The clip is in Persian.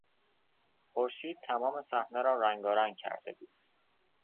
خورشید تمام صحنه را رنگارنگ کرده بود.